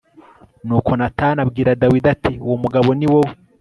nuko natani abwira dawidi ati “uwo mugabo ni wowe